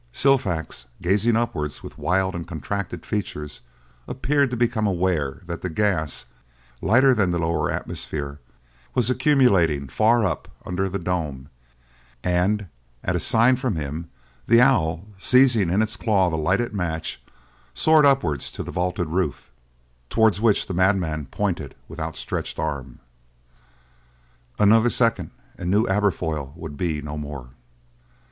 Silfax, gazing upwards with wild and contracted features, appeared to become aware that the gas, lighter than the lower atmosphere, was accumulating far up under the dome; and at a sign from him the owl, seizing in its claw the lighted match, soared upwards to the vaulted roof, towards which the madman pointed with outstretched arm. Another second and New Aberfoyle would be no more.